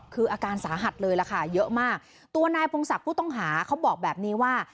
คืออาการสาหัสเลยล่ะค่ะเยอะมากตัวนายพงศักดิ์ผู้ต้องหาเขาบอกแบบนี้ว่า